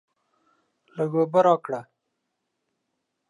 لږ اوبه راکړه!